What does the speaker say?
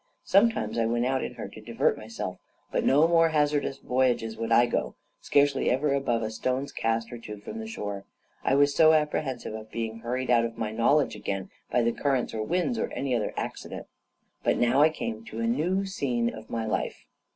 Sometimes I went out in her to divert myself, but no more hazardous voyages would I go, scarcely ever above a stone's cast or two from the shore, I was so apprehensive of being hurried out of my knowledge again by the currents or winds, or any other accident. But now I come to a new scene of my life.